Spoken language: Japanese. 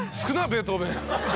ベートーベン。